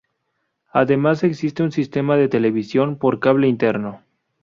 Además existe un sistema de televisión por cable interno.